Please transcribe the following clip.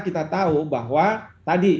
kita tahu bahwa tadi